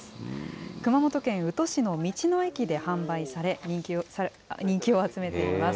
熊本県宇土市の道の駅で販売され、人気を集めています。